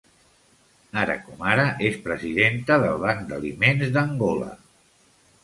Ara com ara, és presidenta del Banc d'Aliments d'Angola.